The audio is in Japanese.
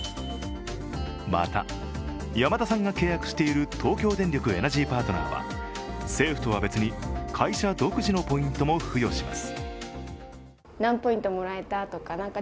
また、山田さんが契約している東京電力エナジーパートナーは政府とは別に会社独自のポイントも付与します。